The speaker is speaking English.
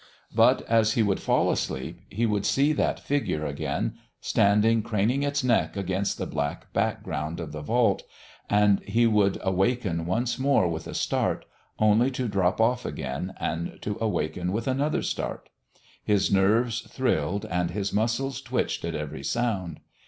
But as he would fall asleep he would see that figure again, standing craning its neck against the black background of the vault, and then he would awaken once more with a start only to drop off again and to awaken with another start. His nerves thrilled and his muscles twitched at every sound.